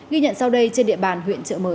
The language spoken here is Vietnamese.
ghi nhận sau đây trên địa bàn huyện trợ mới